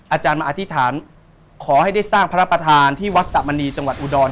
อาจารย์มาอธิษฐานขอให้ได้สร้างพระประธานที่วัดสะมณีจังหวัดอุดร